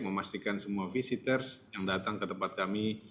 memastikan semua visitors yang datang ke tempat kami